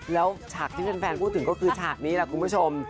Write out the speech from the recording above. แล้วฉากที่แฟนพูดถึงก็คือฉากนี้แหละคุณผู้ชม